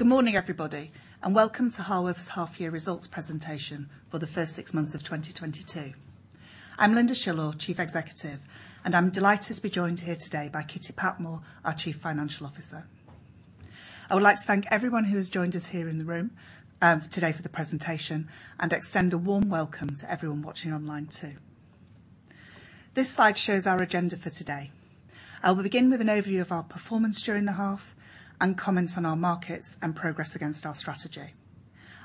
Good morning, everybody, and welcome to Harworth's half year results presentation for the first six months of 2022. I'm Lynda Shillaw, Chief Executive, and I'm delighted to be joined here today by Kitty Patmore, our Chief Financial Officer. I would like to thank everyone who has joined us here in the room, today for the presentation and extend a warm welcome to everyone watching online too. This slide shows our agenda for today. I will begin with an overview of our performance during the half and comment on our markets and progress against our strategy.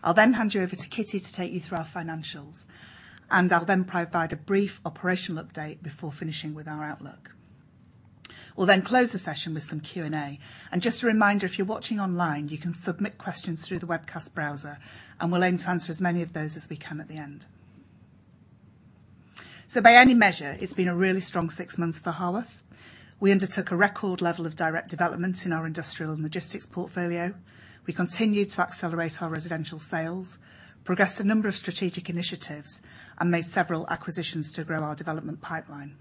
I'll then hand you over to Kitty to take you through our financials, and I'll then provide a brief operational update before finishing with our outlook. We'll then close the session with some Q&A. Just a reminder, if you're watching online, you can submit questions through the webcast browser, and we'll aim to answer as many of those as we can at the end. By any measure, it's been a really strong six months for Harworth. We undertook a record level of direct development in our industrial and logistics portfolio. We continued to accelerate our residential sales, progressed a number of strategic initiatives, and made several acquisitions to grow our development pipeline.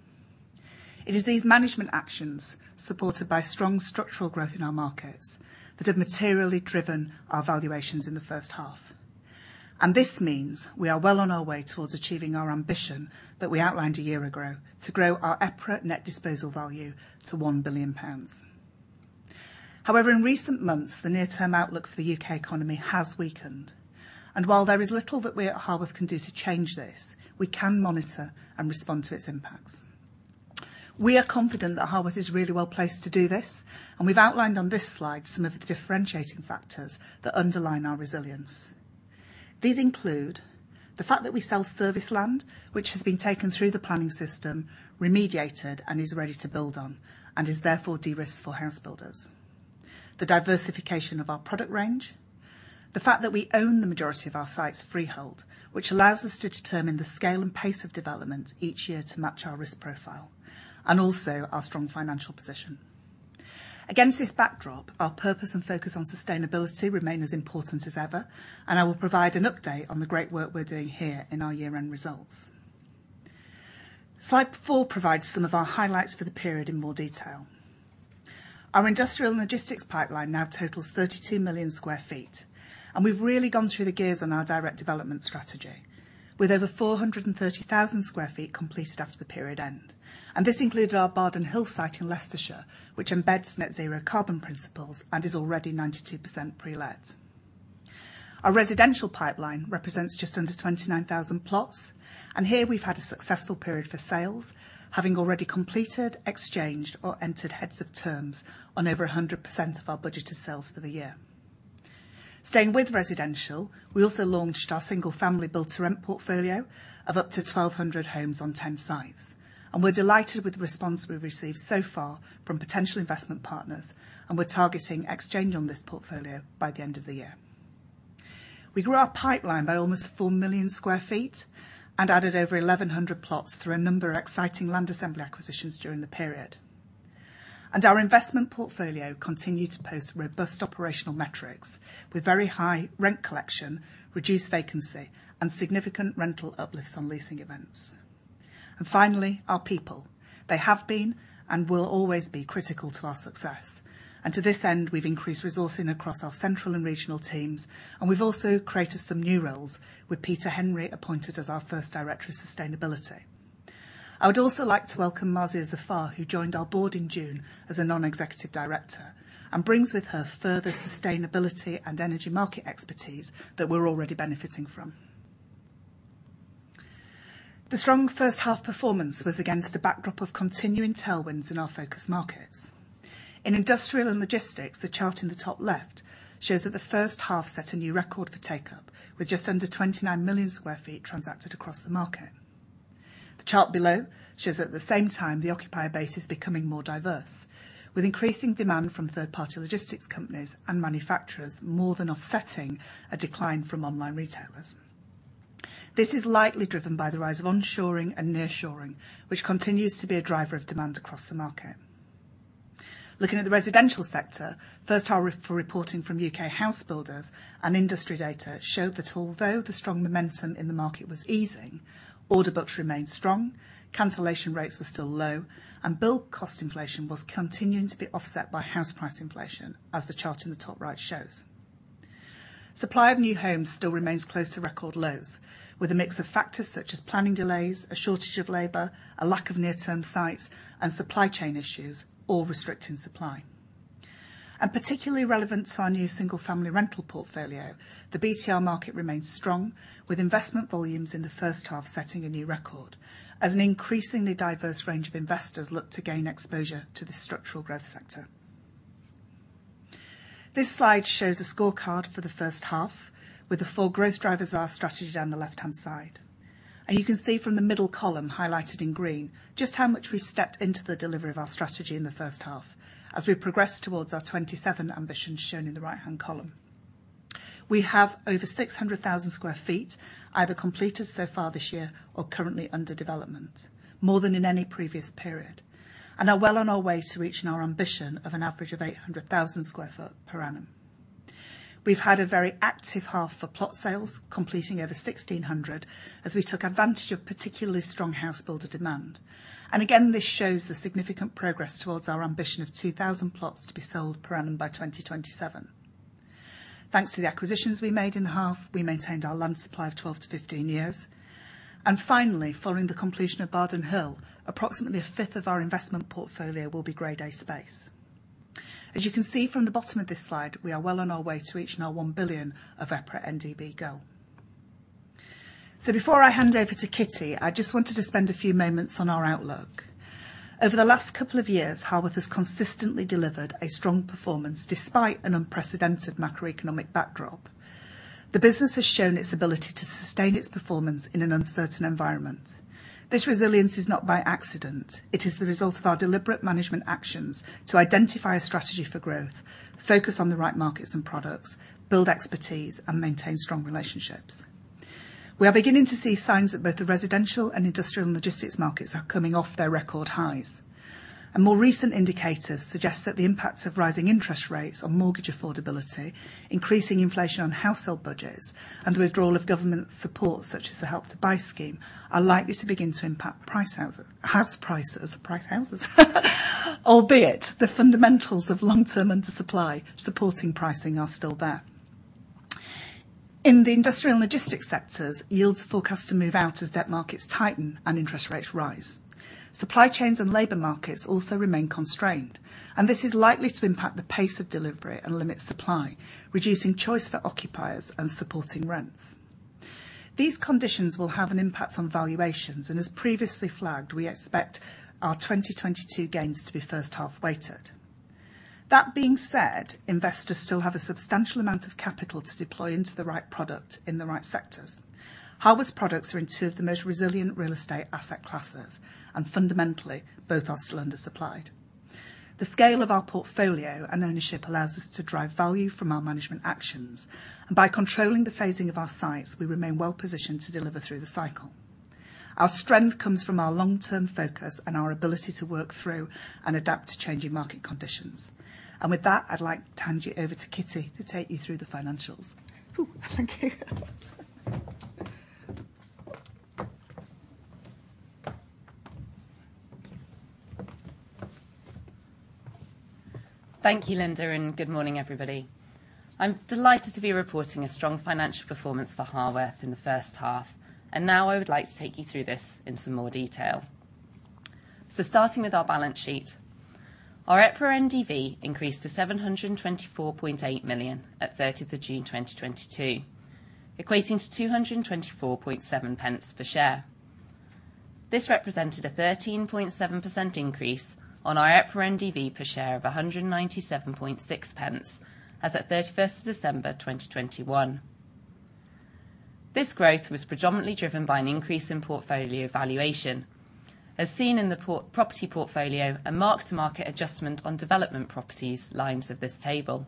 It is these management actions, supported by strong structural growth in our markets, that have materially driven our valuations in the first half. This means we are well on our way towards achieving our ambition that we outlined a year ago to grow our EPRA net disposal value to 1 billion pounds. However, in recent months, the near-term outlook for the UK economy has weakened. While there is little that we at Harworth can do to change this, we can monitor and respond to its impacts. We are confident that Harworth is really well-placed to do this, and we've outlined on this slide some of the differentiating factors that underline our resilience. These include the fact that we sell serviced land, which has been taken through the planning system, remediated, and is ready to build on, and is therefore de-risked for house builders. The diversification of our product range. The fact that we own the majority of our sites freehold, which allows us to determine the scale and pace of development each year to match our risk profile. Also our strong financial position. Against this backdrop, our purpose and focus on sustainability remain as important as ever, and I will provide an update on the great work we're doing here in our year-end results. Slide 4 provides some of our highlights for the period in more detail. Our industrial and logistics pipeline now totals 32 million sq ft, and we've really gone through the gears on our direct development strategy with over 430,000 sq ft completed after the period end. This included our Bardon Hill site in Leicestershire, which embeds net zero carbon principles and is already 92% pre-let. Our residential pipeline represents just under 29,000 plots, and here we've had a successful period for sales, having already completed, exchanged, or entered heads of terms on over 100% of our budgeted sales for the year. Staying with residential, we also launched our single family Build to Rent portfolio of up to 1,200 homes on 10 sites, and we're delighted with the response we've received so far from potential investment partners, and we're targeting exchange on this portfolio by the end of the year. We grew our pipeline by almost 4 million sq ft and added over 1,100 plots through a number of exciting land assembly acquisitions during the period. Our investment portfolio continued to post robust operational metrics with very high rent collection, reduced vacancy, and significant rental uplifts on leasing events. Finally, our people. They have been and will always be critical to our success. To this end, we've increased resourcing across our central and regional teams, and we've also created some new roles with Peter Henry appointed as our first Director of Sustainability. I would also like to welcome Marzia Zafar, who joined our board in June as a Non-Executive Director and brings with her further sustainability and energy market expertise that we're already benefiting from. The strong first half performance was against a backdrop of continuing tailwinds in our focus markets. In industrial and logistics, the chart in the top left shows that the first half set a new record for take-up, with just under 29 million sq ft transacted across the market. The chart below shows at the same time the occupier base is becoming more diverse, with increasing demand from third-party logistics companies and manufacturers more than offsetting a decline from online retailers. This is likely driven by the rise of onshoring and nearshoring, which continues to be a driver of demand across the market. Looking at the residential sector, first half reporting from UK house builders and industry data showed that although the strong momentum in the market was easing, order books remained strong, cancellation rates were still low, and build cost inflation was continuing to be offset by house price inflation, as the chart in the top right shows. Supply of new homes still remains close to record lows, with a mix of factors such as planning delays, a shortage of labor, a lack of near-term sites, and supply chain issues all restricting supply. Particularly relevant to our new single-family rental portfolio, the BTR market remains strong, with investment volumes in the first half setting a new record as an increasingly diverse range of investors look to gain exposure to this structural growth sector. This slide shows a scorecard for the first half, with the four growth drivers of our strategy down the left-hand side. You can see from the middle column highlighted in green just how much we stepped into the delivery of our strategy in the first half as we progress towards our 27 ambitions shown in the right-hand column. We have over 600,000 sq ft either completed so far this year or currently under development, more than in any previous period, and are well on our way to reaching our ambition of an average of 800,000 sq ft per annum. We've had a very active half for plot sales, completing over 1,600 as we took advantage of particularly strong house builder demand. Again, this shows the significant progress towards our ambition of 2,000 plots to be sold per annum by 2027. Thanks to the acquisitions we made in the half, we maintained our land supply of 12-15 years. Finally, following the completion of Bardon Hill, approximately a fifth of our investment portfolio will be Grade A space. As you can see from the bottom of this slide, we are well on our way to reaching our 1 billion EPRA NDV goal. Before I hand over to Kitty, I just wanted to spend a few moments on our outlook. Over the last couple of years, Harworth has consistently delivered a strong performance despite an unprecedented macroeconomic backdrop. The business has shown its ability to sustain its performance in an uncertain environment. This resilience is not by accident. It is the result of our deliberate management actions to identify a strategy for growth, focus on the right markets and products, build expertise, and maintain strong relationships. We are beginning to see signs that both the residential and industrial and logistics markets are coming off their record highs. More recent indicators suggest that the impacts of rising interest rates on mortgage affordability, increasing inflation on household budgets, and the withdrawal of government support, such as the Help to Buy scheme, are likely to begin to impact house prices. Albeit, the fundamentals of long-term undersupply supporting pricing are still there. In the industrial and logistics sectors, yields are forecast to move out as debt markets tighten and interest rates rise. Supply chains and labor markets also remain constrained, and this is likely to impact the pace of delivery and limit supply, reducing choice for occupiers and supporting rents. These conditions will have an impact on valuations, and as previously flagged, we expect our 2022 gains to be first half weighted. That being said, investors still have a substantial amount of capital to deploy into the right product in the right sectors. Harworth's products are in two of the most resilient real estate asset classes, and fundamentally, both are still under supplied. The scale of our portfolio and ownership allows us to drive value from our management actions. By controlling the phasing of our sites, we remain well-positioned to deliver through the cycle. Our strength comes from our long-term focus and our ability to work through and adapt to changing market conditions. With that, I'd like to hand you over to Kitty to take you through the financials. Ooh, thank you. Thank you, Lynda, and good morning, everybody. I'm delighted to be reporting a strong financial performance for Harworth in the first half, and now I would like to take you through this in some more detail. Starting with our balance sheet. Our EPRA NDV increased to 724.8 million at 30th June 2022, equating to 224.7 pence per share. This represented a 13.7% increase on our EPRA NDV per share of 197.6 pence, as at 31st December 2021. This growth was predominantly driven by an increase in portfolio valuation. As seen in the property portfolio, a mark-to-market adjustment on development properties line of this table.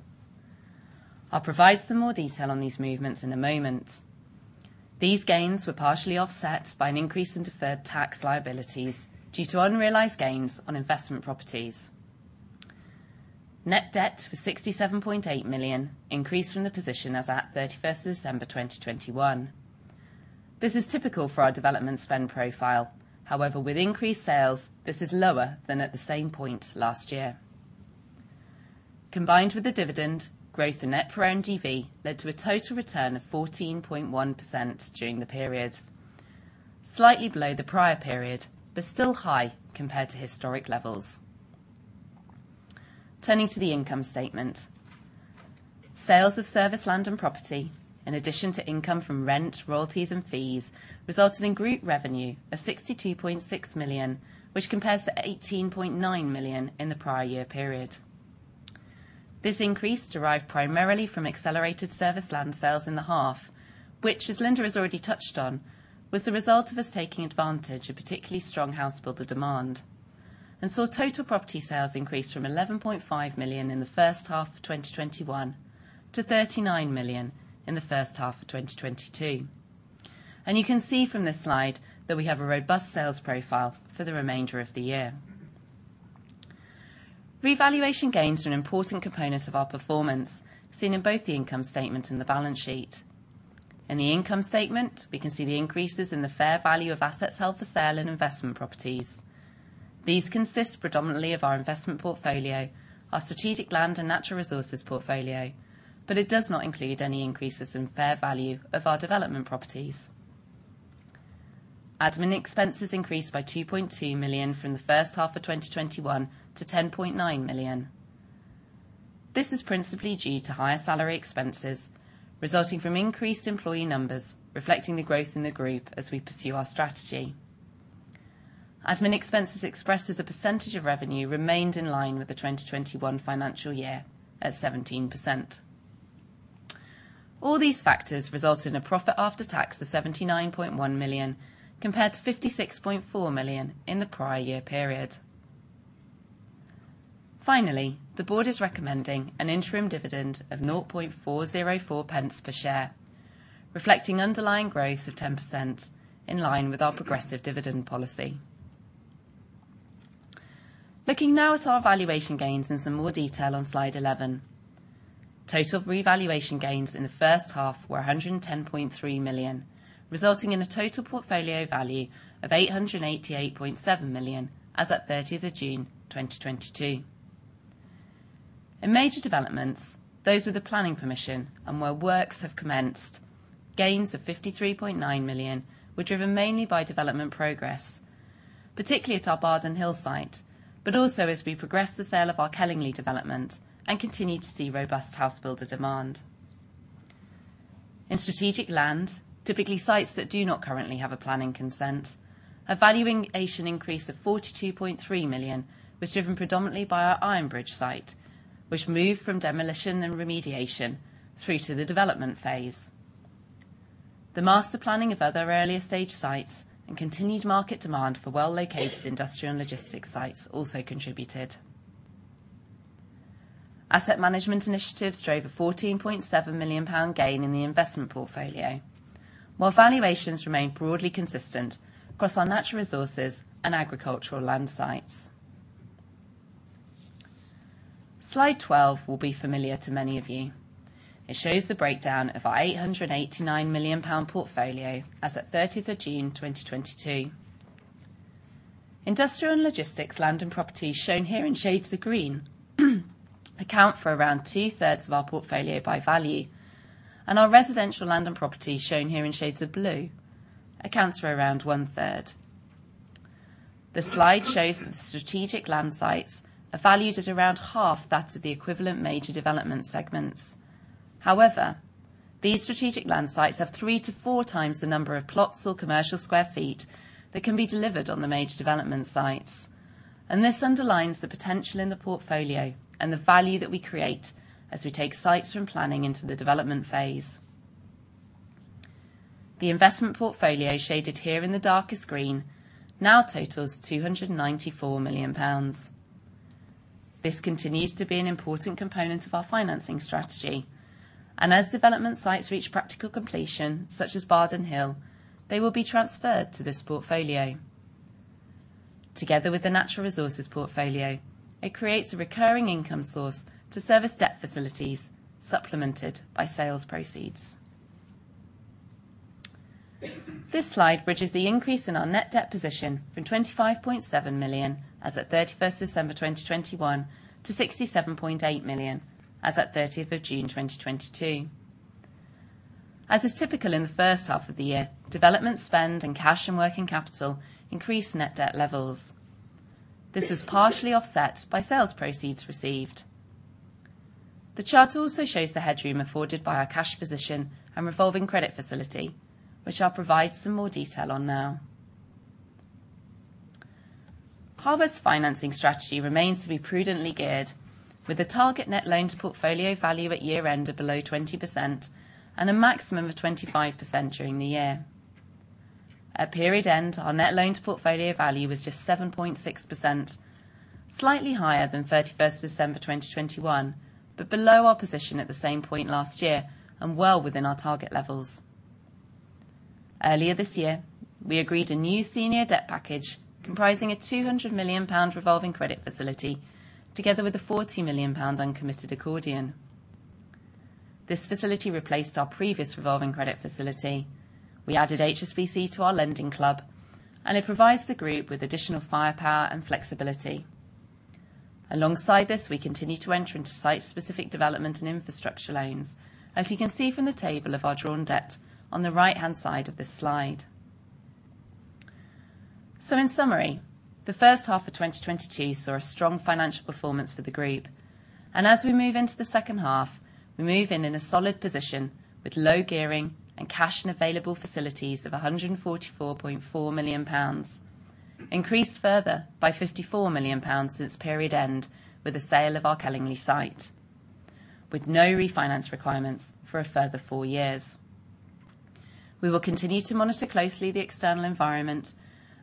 I'll provide some more detail on these movements in a moment. These gains were partially offset by an increase in deferred tax liabilities due to unrealized gains on investment properties. Net debt was 67.8 million, increased from the position as at 31st December 2021. This is typical for our development spend profile. However, with increased sales, this is lower than at the same point last year. Combined with the dividend, growth in net per NDV led to a total return of 14.1% during the period. Slightly below the prior period, but still high compared to historic levels. Turning to the income statement. Sales of serviced land and property, in addition to income from rent, royalties, and fees, resulted in group revenue of 62.6 million, which compares to 18.9 million in the prior year period. This increase derived primarily from accelerated serviced land sales in the half, which, as Lynda has already touched on, was the result of us taking advantage of particularly strong house builder demand. Saw total property sales increase from 11.5 million in the first half of 2021 to 39 million in the first half of 2022. You can see from this slide that we have a robust sales profile for the remainder of the year. Revaluation gains are an important component of our performance, seen in both the income statement and the balance sheet. In the income statement, we can see the increases in the fair value of assets held for sale in investment properties. These consist predominantly of our investment portfolio, our Strategic Land and Natural Resources portfolio, but it does not include any increases in fair value of our development properties. Admin expenses increased by 2.2 million from the first half of 2021 to 10.9 million. This is principally due to higher salary expenses resulting from increased employee numbers, reflecting the growth in the group as we pursue our strategy. Admin expenses expressed as a percentage of revenue remained in line with the 2021 financial year, at 17%. All these factors resulted in a profit after tax of 79.1 million, compared to 56.4 million in the prior year period. Finally, the board is recommending an interim dividend of 0.00404 per share, reflecting underlying growth of 10% in line with our progressive dividend policy. Looking now at our valuation gains in some more detail on slide 11. Total revaluation gains in the first half were 110.3 million, resulting in a total portfolio value of 888.7 million as at 30th of June 2022. In major developments, those with the planning permission and where works have commenced, gains of 53.9 million were driven mainly by development progress, particularly at our Bardon Hill site, but also as we progress the sale of our Kellingley development and continue to see robust house builder demand. In strategic land, typically sites that do not currently have a planning consent, a valuation increase of 42.3 million was driven predominantly by our Ironbridge site, which moved from demolition and remediation through to the development phase. The master planning of other earlier stage sites and continued market demand for well-located industrial and logistics sites also contributed. Asset management initiatives drove a GBP 14.7 million gain in the investment portfolio, while valuations remain broadly consistent across our Natural Resources and agricultural land sites. Slide 12 will be familiar to many of you. It shows the breakdown of our 889 million pound portfolio as at 30th of June 2022. Industrial and logistics land and properties shown here in shades of green account for around two-thirds of our portfolio by value, and our residential land and property shown here in shades of blue accounts for around one-third. The slide shows that the strategic land sites are valued at around half that of the equivalent major development segments. However, these strategic land sites have three-four times the number of plots or commercial square feet that can be delivered on the major development sites. This underlines the potential in the portfolio and the value that we create as we take sites from planning into the development phase. The investment portfolio shaded here in the darkest green now totals 294 million pounds. This continues to be an important component of our financing strategy. As development sites reach practical completion, such as Bardon Hill, they will be transferred to this portfolio. Together with the Natural Resources portfolio, it creates a recurring income source to service debt facilities supplemented by sales proceeds. This slide bridges the increase in our net debt position from 25.7 million, as at 31st December 2021, to 67.8 million, as at 30th June 2022. As is typical in the first half of the year, development spend and cash and working capital increased net debt levels. This was partially offset by sales proceeds received. The chart also shows the headroom afforded by our cash position and revolving credit facility, which I'll provide some more detail on now. Harworth financing strategy remains to be prudently geared with a target net loan to portfolio value at year end of below 20% and a maximum of 25% during the year. At period end, our net loan to portfolio value was just 7.6%, slightly higher than December 31, 2021, but below our position at the same point last year and well within our target levels. Earlier this year, we agreed a new senior debt package comprising a 200 million pound revolving credit facility together with a 40 million pound uncommitted accordion. This facility replaced our previous revolving credit facility. We added HSBC to our lending club, and it provides the group with additional firepower and flexibility. Alongside this, we continue to enter into site-specific development and infrastructure loans, as you can see from the table of our drawn debt on the right-hand side of this slide. In summary, the first half of 2022 saw a strong financial performance for the group. As we move into the second half, we move in a solid position with low gearing and cash and available facilities of 144.4 million pounds, increased further by 54 million pounds since period end with the sale of our Kellingley site, with no refinance requirements for a further four years. We will continue to monitor closely the external environment,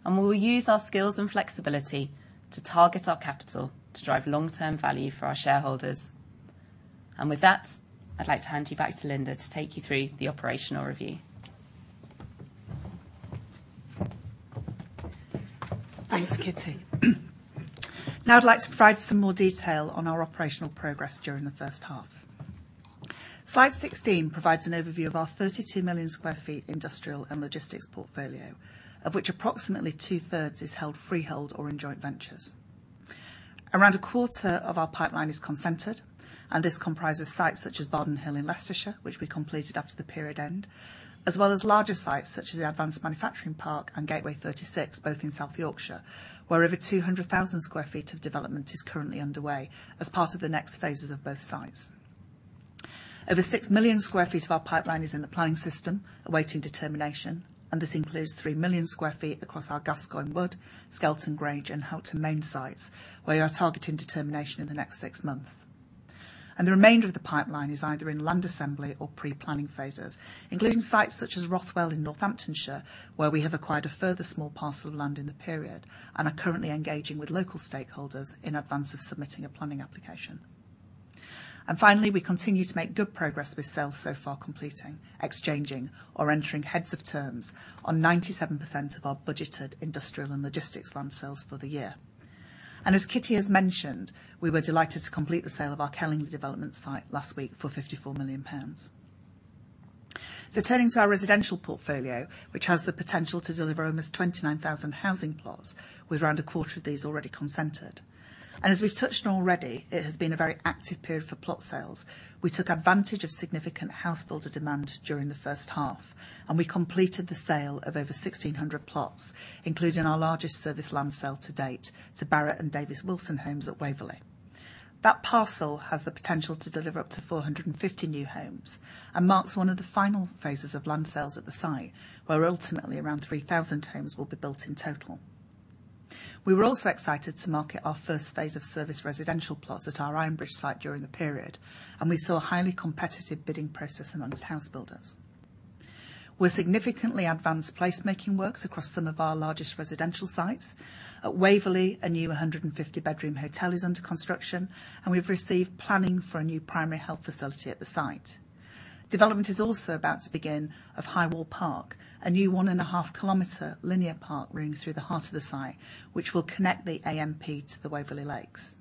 and we will use our skills and flexibility to target our capital to drive long-term value for our shareholders. With that, I'd like to hand you back to Lynda to take you through the operational review. Thanks, Kitty. Now I'd like to provide some more detail on our operational progress during the first half. Slide 16 provides an overview of our 32 million sq ft industrial and logistics portfolio, of which approximately two-thirds is held freehold or in joint ventures. Around a quarter of our pipeline is consented, and this comprises sites such as Bardon Hill in Leicestershire, which we completed after the period end, as well as larger sites such as the Advanced Manufacturing Park and Gateway 36, both in South Yorkshire, where over 200,000 sq ft of development is currently underway as part of the next phases of both sites. Over 6 million sq ft of our pipeline is in the planning system, awaiting determination, and this includes 3 million sq ft across our Gascoigne Wood, Skelton Grange, and Houghton Main sites, where we are targeting determination in the next 6 months. The remainder of the pipeline is either in land assembly or pre-planning phases, including sites such as Rothwell in Northamptonshire, where we have acquired a further small parcel of land in the period and are currently engaging with local stakeholders in advance of submitting a planning application. Finally, we continue to make good progress with sales so far, completing, exchanging, or entering heads of terms on 97% of our budgeted industrial and logistics land sales for the year. As Kitty has mentioned, we were delighted to complete the sale of our Kellingley development site last week for 54 million pounds. Turning to our residential portfolio, which has the potential to deliver almost 29,000 housing plots, with around a quarter of these already consented. As we've touched on already, it has been a very active period for plot sales. We took advantage of significant house builder demand during the first half, and we completed the sale of over 1,600 plots, including our largest serviced land sale to date to Barratt and David Wilson Homes at Waverley. That parcel has the potential to deliver up to 450 new homes and marks one of the final phases of land sales at the site, where ultimately, around 3,000 homes will be built in total. We were also excited to market our first phase of serviced residential plots at our Ironbridge site during the period, and we saw a highly competitive bidding process amongst house builders. We significantly advanced placemaking works across some of our largest residential sites. At Waverley, a new 150-bedroom hotel is under construction, and we've received planning for a new primary health facility at the site. Development is also about to begin of Highwall Park, a new 1.5 kilometer linear park running through the heart of the site, which will connect the AMP to the Waverley Lakes.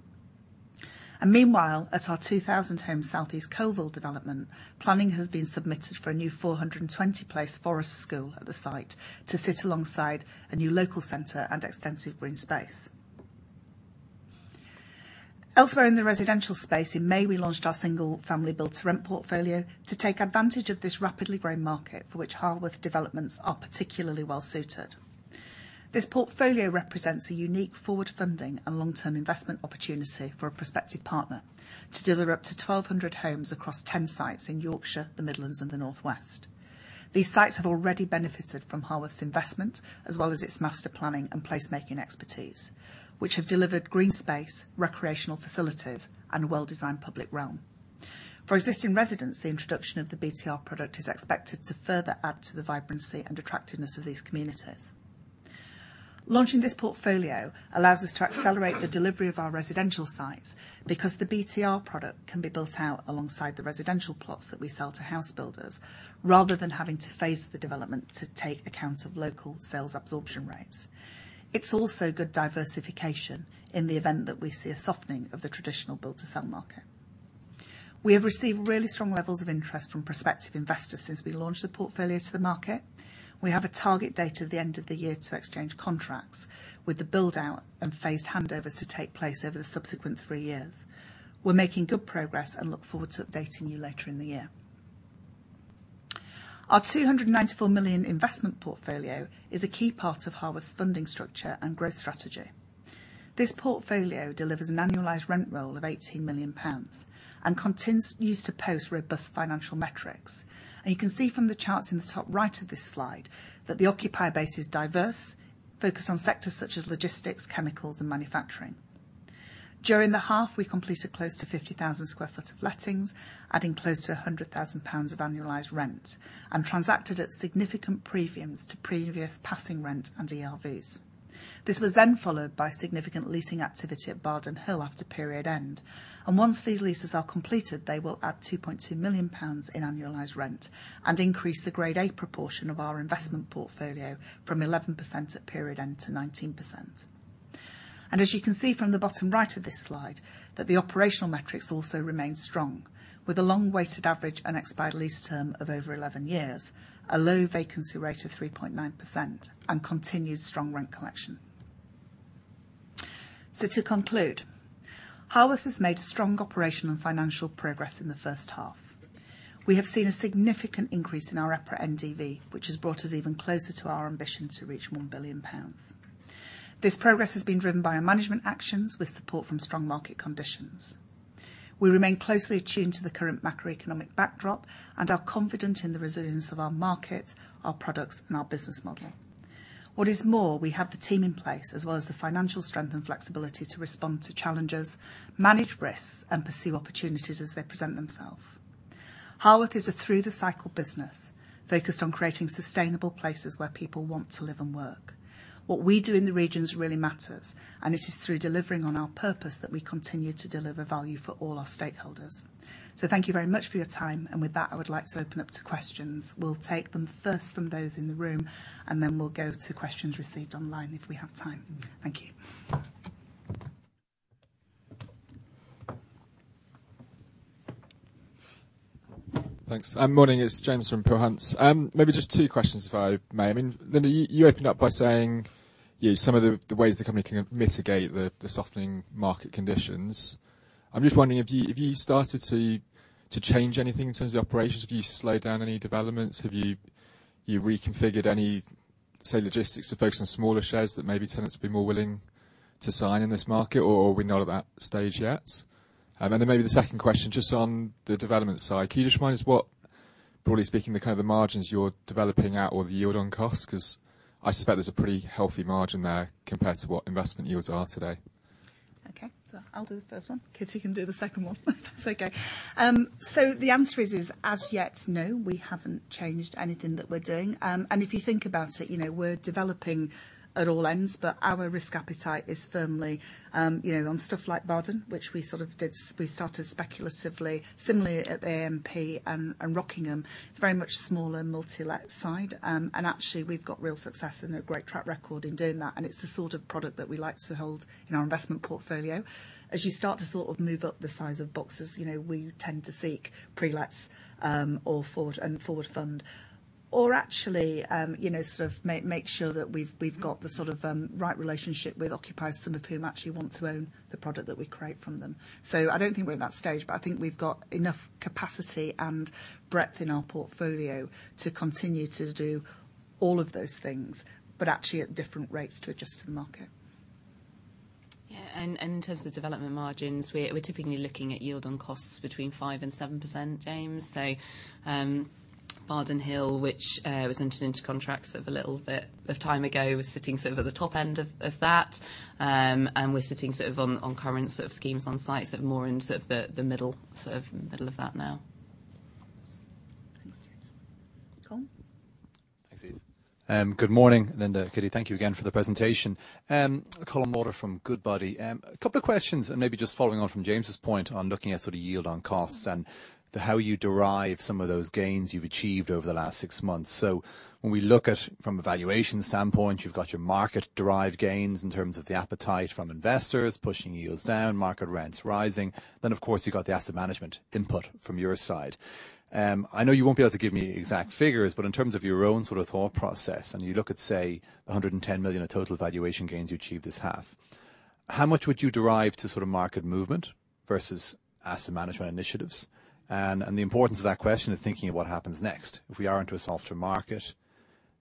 Meanwhile, at our 2,000-home South East Coalville development, planning has been submitted for a new 420-place forest school at the site to sit alongside a new local center and extensive green space. Elsewhere in the residential space, in May, we launched our single family Build to Rent portfolio to take advantage of this rapidly growing market, for which Harworth developments are particularly well-suited. This portfolio represents a unique forward funding and long-term investment opportunity for a prospective partner to deliver up to 1,200 homes across 10 sites in Yorkshire, the Midlands, and the Northwest. These sites have already benefited from Harworth's investment as well as its master planning and placemaking expertise, which have delivered green space, recreational facilities, and well-designed public realm. For existing residents, the introduction of the BTR product is expected to further add to the vibrancy and attractiveness of these communities. Launching this portfolio allows us to accelerate the delivery of our residential sites because the BTR product can be built out alongside the residential plots that we sell to house builders, rather than having to phase the development to take account of local sales absorption rates. It's also good diversification in the event that we see a softening of the traditional build to sell market. We have received really strong levels of interest from prospective investors since we launched the portfolio to the market. We have a target date at the end of the year to exchange contracts with the build-out and phased handovers to take place over the subsequent three years. We're making good progress and look forward to updating you later in the year. Our 294 million investment portfolio is a key part of Harworth's funding structure and growth strategy. This portfolio delivers an annualized rent roll of 18 million pounds and continues to post robust financial metrics. You can see from the charts in the top right of this slide that the occupier base is diverse, focused on sectors such as logistics, chemicals, and manufacturing. During the half, we completed close to 50,000 sq ft of lettings, adding close to 100,000 pounds of annualized rent and transacted at significant premiums to previous passing rent and ERVs. This was then followed by significant leasing activity at Bardon Hill after period end, and once these leases are completed, they will add 2.2 million pounds in annualized rent and increase the Grade A proportion of our investment portfolio from 11% at period end to 19%. As you can see from the bottom right of this slide, that the operational metrics also remain strong, with a long weighted average unexpired lease term of over 11 years, a low vacancy rate of 3.9%, and continued strong rent collection. To conclude, Harworth has made a strong operational and financial progress in the first half. We have seen a significant increase in our EPRA NDV, which has brought us even closer to our ambition to reach 1 billion pounds. This progress has been driven by our management actions with support from strong market conditions. We remain closely attuned to the current macroeconomic backdrop and are confident in the resilience of our market, our products, and our business model. What is more, we have the team in place as well as the financial strength and flexibility to respond to challenges, manage risks, and pursue opportunities as they present themselves. Harworth is a through the cycle business focused on creating sustainable places where people want to live and work. What we do in the regions really matters, and it is through delivering on our purpose that we continue to deliver value for all our stakeholders. Thank you very much for your time, and with that, I would like to open up to questions. We'll take them first from those in the room, and then we'll go to questions received online if we have time. Thank you. Thanks. Morning, it's James from Peel Hunt. Maybe just two questions, if I may. I mean, Lynda, you opened up by saying, you know, some of the ways the company can mitigate the softening market conditions. I'm just wondering if you have started to change anything in terms of the operations? Have you slowed down any developments? Have you reconfigured any, say, logistics to focus on smaller shares that maybe tenants would be more willing to sign in this market, or are we not at that stage yet? Maybe the second question, just on the development side. Can you just remind us what, broadly speaking, the kind of margins you're developing at or the yield on cost? 'Cause I suspect there's a pretty healthy margin there compared to what investment yields are today. I'll do the first one. Kitty can do the second one if that's okay. So the answer is, as yet, no, we haven't changed anything that we're doing. And if you think about it, you know, we're developing at all ends, but our risk appetite is firmly, you know, on stuff like Bardon, which we sort of did – we started speculatively. Similarly at AMP and Rockingham. It's very much smaller multi-let side. And actually we've got real success and a great track record in doing that, and it's the sort of product that we like to hold in our investment portfolio. As you start to sort of move up the size of boxes, you know, we tend to seek pre-lets, or forward, and forward funding. Actually, you know, sort of make sure that we've got the sort of right relationship with occupiers, some of whom actually want to own the product that we create from them. I don't think we're at that stage, but I think we've got enough capacity and breadth in our portfolio to continue to do all of those things, but actually at different rates to adjust to the market. In terms of development margins, we're typically looking at yield on cost between 5%-7%, James. Bardon Hill, which was entered into contracts a little bit of time ago, was sitting sort of at the top end of that. We're sitting sort of on current sort of schemes on site, sort of more in sort of the middle of that now. Thanks, James. Colin? Thanks, Eva. Good morning, Lynda, Kitty. Thank you again for the presentation. Colin Sheridan from Goodbody. A couple of questions, and maybe just following on from James's point on looking at sort of yield on costs and the how you derive some of those gains you've achieved over the last six months. When we look at from a valuation standpoint, you've got your market-derived gains in terms of the appetite from investors pushing yields down, market rents rising. Then, of course, you've got the asset management input from your side. I know you won't be able to give me exact figures, but in terms of your own sort of thought process, and you look at, say, 110 million of total valuation gains you achieved this half, how much would you derive to sort of market movement versus asset management initiatives? The importance of that question is thinking of what happens next. If we are into a softer market,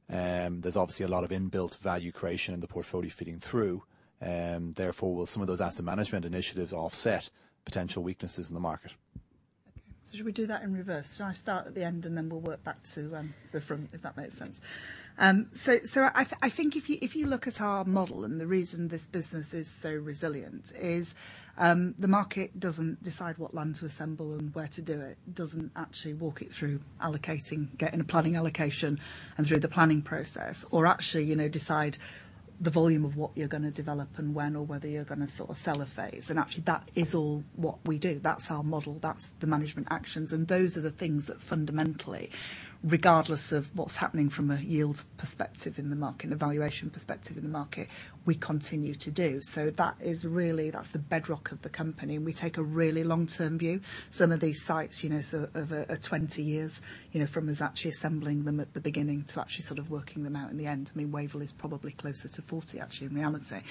there's obviously a lot of inbuilt value creation in the portfolio feeding through, and therefore, will some of those asset management initiatives offset potential weaknesses in the market? Okay. Should we do that in reverse? Shall I start at the end, and then we'll work back to the front, if that makes sense. I think if you, if you look at our model, and the reason this business is so resilient is, the market doesn't decide what land to assemble and where to do it. Doesn't actually walk it through allocating, getting a planning allocation, and through the planning process or actually, you know, decide the volume of what you're gonna develop and when or whether you're gonna sort of sell a phase. Actually, that is all what we do. That's our model. That's the management actions. Those are the things that fundamentally, regardless of what's happening from a yield perspective in the market, a valuation perspective in the market, we continue to do. That is really, that's the bedrock of the company, and we take a really long-term view. Some of these sites, you know, sort of, are 20 years, you know, from us actually assembling them at the beginning to actually sort of working them out in the end. I mean, Waverley is probably closer to 40, actually, in reality.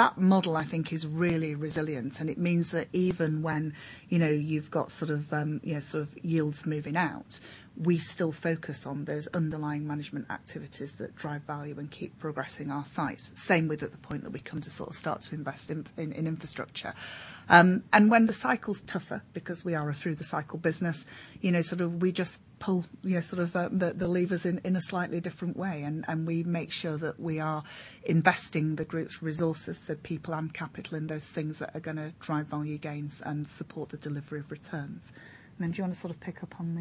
That model, I think, is really resilient, and it means that even when, you know, you've got sort of, you know, sort of yields moving out, we still focus on those underlying management activities that drive value and keep progressing our sites. Same with at the point that we come to sort of start to invest in infrastructure. When the cycle's tougher, because we are a through-the-cycle business, you know, sort of we just pull, you know, sort of, the levers in a slightly different way and we make sure that we are investing the group's resources, so people and capital, in those things that are gonna drive value gains and support the delivery of returns. I mean, do you wanna sort of pick up on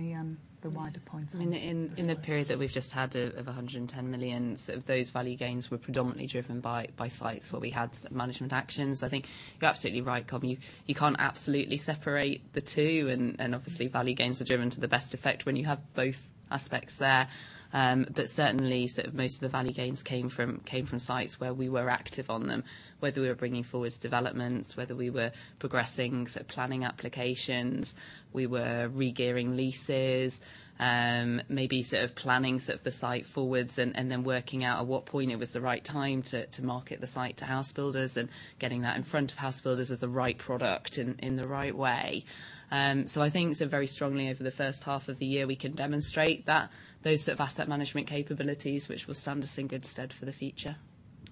the wider points. I mean, in the period that we've just had of 110 million, sort of those value gains were predominantly driven by sites where we had management actions. I think you're absolutely right, Colin. You can't absolutely separate the two and obviously value gains are driven to the best effect when you have both aspects there. But certainly sort of most of the value gains came from sites where we were active on them, whether we were bringing forwards developments, whether we were progressing sort of planning applications, we were regearing leases, maybe sort of planning the site forwards and then working out at what point it was the right time to market the site to house builders and getting that in front of house builders as the right product in the right way. I think sort of very strongly over the first half of the year, we can demonstrate that those sort of asset management capabilities, which will stand us in good stead for the future.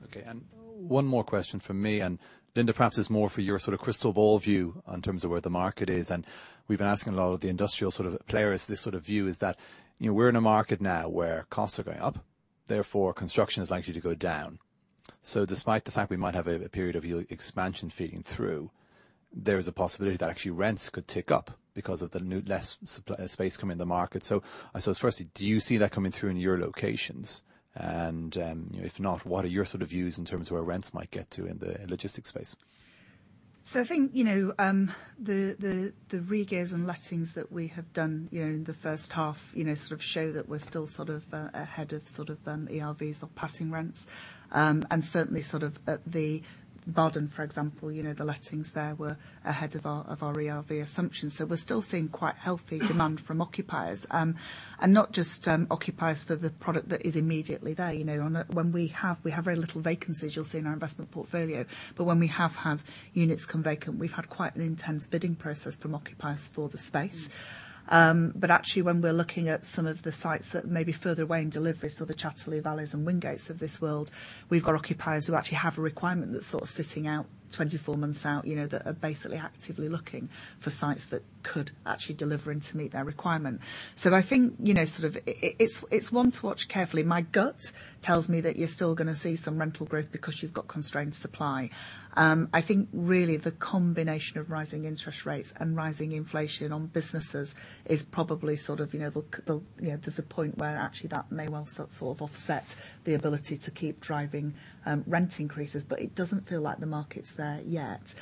Okay. One more question from me, and Lynda, perhaps it's more for your sort of crystal ball view in terms of where the market is. We've been asking a lot of the industrial sort of players, this sort of view is that, you know, we're in a market now where costs are going up, therefore construction is likely to go down. Despite the fact we might have a period of yield expansion feeding through, there is a possibility that actually rents could tick up because of the new less supply space coming in the market. Firstly, do you see that coming through in your locations? If not, what are your sort of views in terms of where rents might get to in the logistics space? I think, you know, the regears and lettings that we have done, you know, in the first half, you know, sort of show that we're still sort of ahead of sort of ERVs or passing rents. Certainly sort of at the Bardon, for example, you know, the lettings there were ahead of our ERV assumptions. We're still seeing quite healthy demand from occupiers, and not just occupiers for the product that is immediately there. You know, when we have very little vacancies, you'll see in our investment portfolio. When we have had units come vacant, we've had quite an intense bidding process from occupiers for the space. Actually when we're looking at some of the sites that may be further away in delivery, so the Chatterley Valleys and Wingates of this world, we've got occupiers who actually have a requirement that's sort of sitting out 24 months out, you know, that are basically actively looking for sites that could actually deliver and to meet their requirement. I think, you know, sort of it's one to watch carefully. My gut tells me that you're still gonna see some rental growth because you've got constrained supply. I think really the combination of rising interest rates and rising inflation on businesses is probably sort of, you know, the, you know, there's a point where actually that may well sort of offset the ability to keep driving rent increases. It doesn't feel like the market's there yet.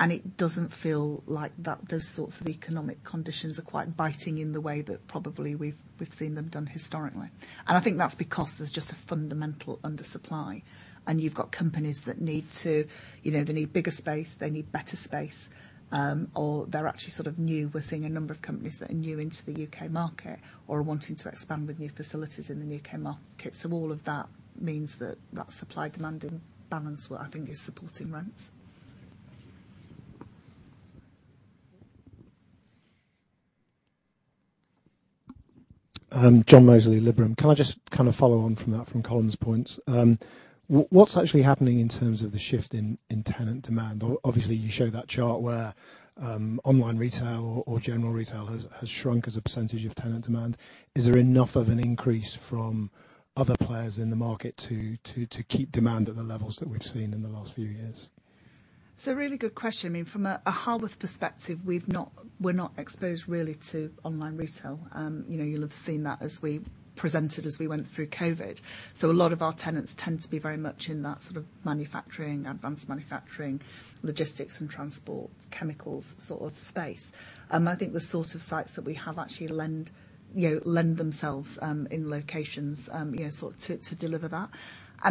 It doesn't feel like those sorts of economic conditions are quite biting in the way that probably we've seen them done historically. I think that's because there's just a fundamental undersupply, and you've got companies that need to, you know, they need bigger space, they need better space, or they're actually sort of new. We're seeing a number of companies that are new into the UK market or are wanting to expand with new facilities in the UK market. All of that means that supply-demand imbalance, well, I think is supporting rents. John Mozley, Liberum. Can I just kind of follow on from that, from Colin's points? What's actually happening in terms of the shift in tenant demand? Obviously you show that chart where online retail or general retail has shrunk as a percentage of tenant demand. Is there enough of an increase from other players in the market to keep demand at the levels that we've seen in the last few years? It's a really good question. I mean, from a Harworth perspective, we're not exposed really to online retail. You know, you'll have seen that as we presented as we went through COVID. So a lot of our tenants tend to be very much in that sort of manufacturing, advanced manufacturing, logistics and transport, chemicals sort of space. I think the sort of sites that we have actually lend themselves in locations you know sort of to deliver that.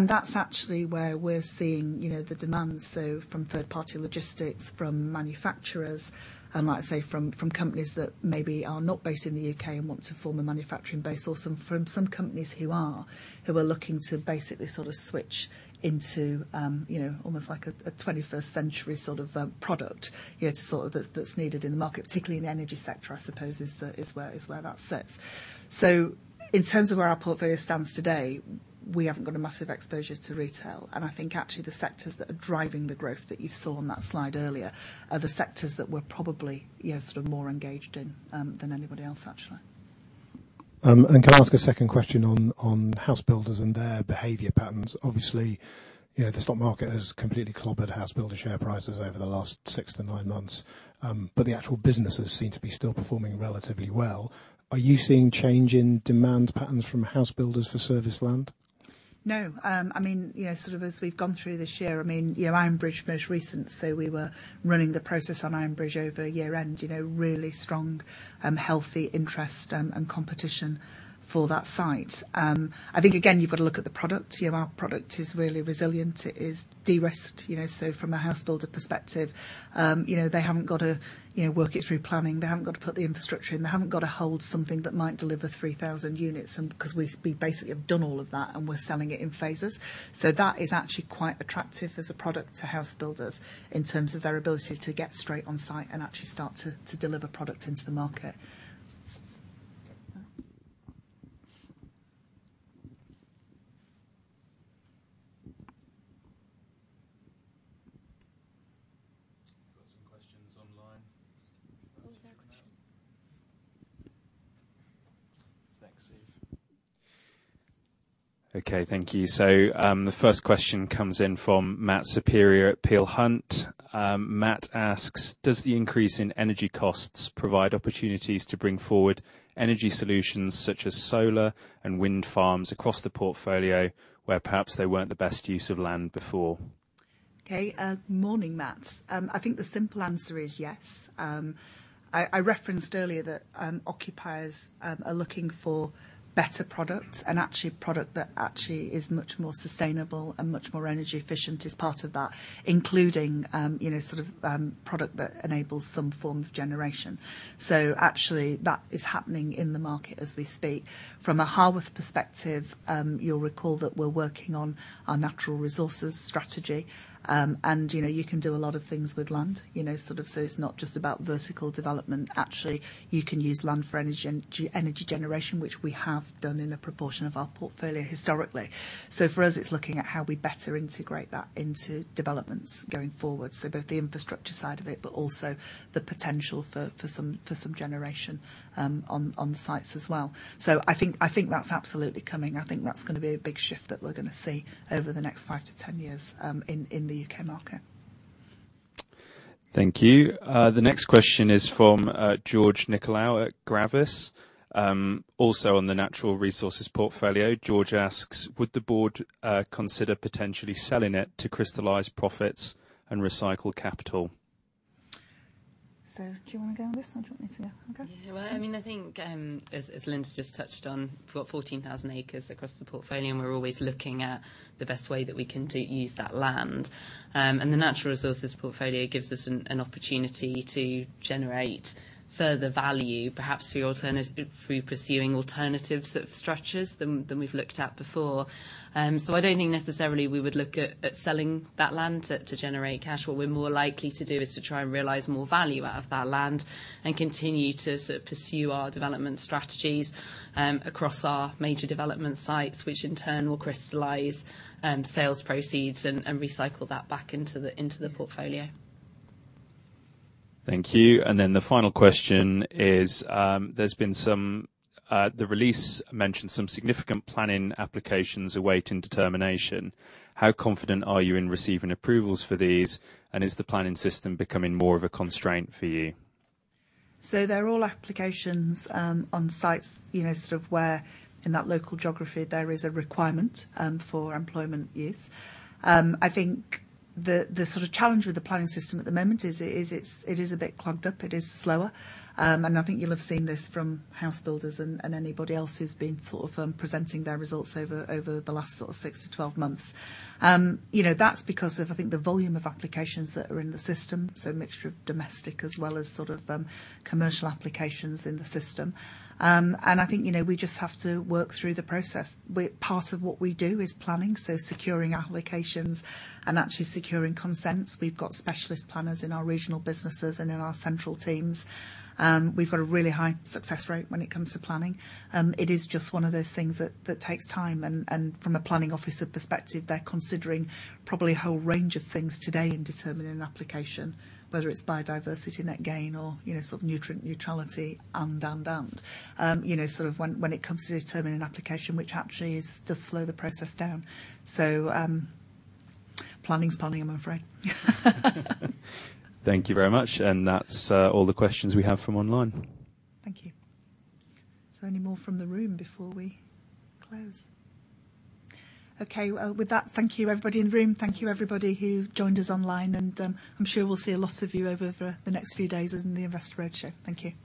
That's actually where we're seeing you know the demands. From third party logistics, from manufacturers, like I say, from companies that maybe are not based in the UK and want to form a manufacturing base, or some from some companies who are looking to basically sort of switch into, you know, almost like a twenty-first century sort of product, you know, to sort of that that's needed in the market. Particularly in the energy sector, I suppose is where that sits. In terms of where our portfolio stands today, we haven't got a massive exposure to retail. I think actually the sectors that are driving the growth that you saw on that slide earlier are the sectors that we're probably, you know, sort of more engaged in than anybody else actually. Can I ask a second question on house builders and their behavior patterns? Obviously, you know, the stock market has completely clobbered house builder share prices over the last six-nine months. The actual businesses seem to be still performing relatively well. Are you seeing change in demand patterns from house builders for serviced land? No. I mean, you know, sort of as we've gone through this year, I mean, you know, Ironbridge most recent, so we were running the process on Ironbridge over year-end, you know, really strong, healthy interest and competition for that site. I think again, you've got to look at the product. You know, our product is really resilient. It is de-risked, you know. From a house builder perspective, you know, they haven't got to, you know, work it through planning. They haven't got to put the infrastructure in. They haven't got to hold something that might deliver 3,000 units and because we basically have done all of that, and we're selling it in phases. That is actually quite attractive as a product to house builders in terms of their ability to get straight on site and actually start to deliver product into the market. We've got some questions online. What was our question? Thanks, Eve. Okay, thank you. The first question comes in from Matthew Saperia at Peel Hunt. Matt asks, "Does the increase in energy costs provide opportunities to bring forward energy solutions such as solar and wind farms across the portfolio, where perhaps they weren't the best use of land before? Okay. Morning, Matt. I think the simple answer is yes. I referenced earlier that occupiers are looking for better products, and actually product that actually is much more sustainable and much more energy efficient is part of that, including you know sort of product that enables some form of generation. Actually, that is happening in the market as we speak. From a Harworth perspective, you'll recall that we're working on our Natural Resources strategy. And you know, you can do a lot of things with land. You know sort of, it's not just about vertical development. Actually, you can use land for energy and energy generation, which we have done in a proportion of our portfolio historically. For us, it's looking at how we better integrate that into developments going forward. Both the infrastructure side of it, but also the potential for some generation on the sites as well. I think that's absolutely coming. I think that's gonna be a big shift that we're gonna see over the next five-10 years in the U.K. market. Thank you. The next question is from George Nikolaou at Gravis. Also on the Natural Resources portfolio, George asks, "Would the board consider potentially selling it to crystallize profits and recycle capital? Sarah, do you wanna go on this, or do you want me to go? Yeah. Well, I mean, I think, as Lynda's just touched on, we've got 14,000 acres across the portfolio, and we're always looking at the best way that we can use that land. The Natural Resources portfolio gives us an opportunity to generate further value, perhaps through pursuing alternative sort of structures than we've looked at before. I don't think necessarily we would look at selling that land to generate cash. What we're more likely to do is to try and realize more value out of that land and continue to sort of pursue our development strategies across our major development sites, which in turn will crystallize sales proceeds and recycle that back into the portfolio. Thank you. The final question is, the release mentioned some significant planning applications awaiting determination. How confident are you in receiving approvals for these, and is the planning system becoming more of a constraint for you? They're all applications on sites, you know, sort of where in that local geography there is a requirement for employment use. I think the sort of challenge with the planning system at the moment is it's a bit clogged up. It is slower. I think you'll have seen this from house builders and anybody else who's been sort of presenting their results over the last sort of six-12 months. You know, that's because of, I think, the volume of applications that are in the system, so a mixture of domestic as well as sort of commercial applications in the system. I think, you know, we just have to work through the process. Part of what we do is planning, so securing our applications and actually securing consents. We've got specialist planners in our regional businesses and in our central teams. We've got a really high success rate when it comes to planning. It is just one of those things that takes time and from a planning officer perspective, they're considering probably a whole range of things today in determining an application, whether it's biodiversity net gain or, you know, sort of nutrient neutrality. You know, sort of when it comes to determining an application which actually does slow the process down. Planning's planning, I'm afraid. Thank you very much. That's all the questions we have from online. Thank you. Any more from the room before we close? Okay. Well, with that, thank you everybody in the room. Thank you everybody who joined us online, and, I'm sure we'll see a lot of you over the next few days in the Investor Roadshow. Thank you.